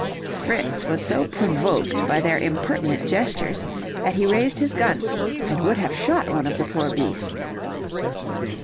Fritz was so provoked by their impertinent gestures that he raised his gun and would have shot one of the poor beasts.